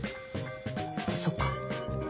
そっか。